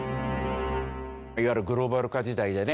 いわゆるグローバル化時代でね